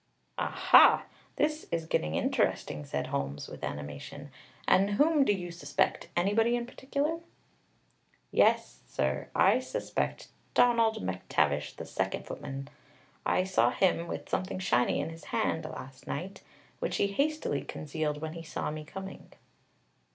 "Ah, ha! This is getting interesting," said Holmes, with animation. "And whom do you suspect? Anybody in particular?" "Yes, sir. I suspect Donald MacTavish, the second footman. I saw him with something shiny in his hand last night, which he hastily concealed when he saw me coming."